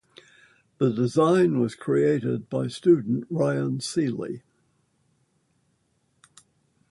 The design was created by student Ryan Sealey.